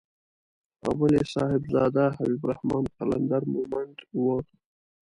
او بل يې صاحبزاده حبيب الرحمن قلندر مومند و.